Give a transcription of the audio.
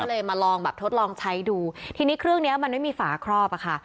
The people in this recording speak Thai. เลยมาลองแบบทดลองใช้ดูทีนี้เครื่องเนี้ยมันไม่มีฝาครอบอะค่ะ